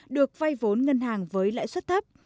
được vay vốn ngân hàng với lãi suất thấp